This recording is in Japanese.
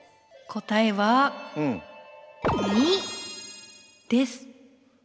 答えはです。